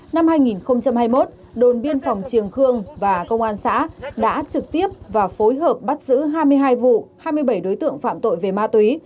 năm hai nghìn hai mươi một đồn biên phòng triềng khương và công an xã đã trực tiếp và phối hợp bắt giữ hai mươi hai vụ hai mươi bảy đối tượng phạm tội về ma túy